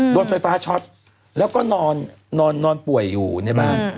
โดนไฟฟ้าช็อตแล้วก็นอนป่วยอยู่ในบ้าน